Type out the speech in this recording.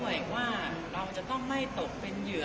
อีกว่าเราจะต้องไม่ตกเป็นเหยื่อ